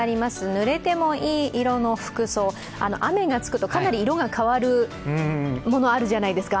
ぬれてもいい色の服装雨がつくと、かなり色が変わるもの、あるじゃないですか。